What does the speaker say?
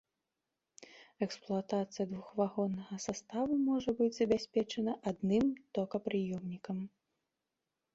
Эксплуатацыя двухвагоннага саставу можа быць забяспечана адным токапрыёмнікам.